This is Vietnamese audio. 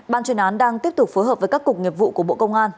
ban chuyên án đang tiếp tục phối hợp với các cục nghiệp vụ của bộ công an